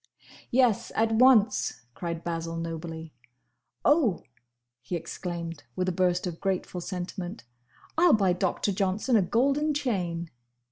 "Yes! at once!" cried Basil, nobly. "Oh!" he exclaimed, with a burst of grateful sentiment, "I 'll buy Doctor Johnson a golden chain!"